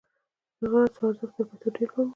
د هغه د هڅو ارزښت تر پیسو ډېر لوړ و.